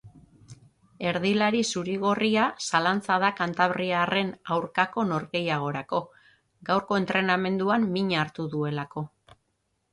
Erdilari zuri-gorria zalantza da kantabriarren aurkako norgehiagokarako, gaurko entrenamenduan mina hartu duelako.